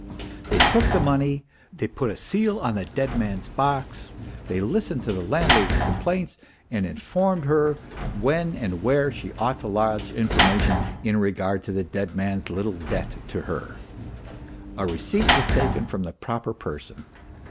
They took the money, they put a seal on the dead man's box, they listened to the landlady's complaints, and informed her when and where she ought to lodge information in regard to the dead man's little debt to her. A receipt was taken from the proper person.